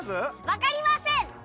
わかりません。